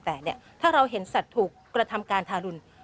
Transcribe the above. แต่ถ้าเราเห็นสัตว์ถูกกระทำการทารุณ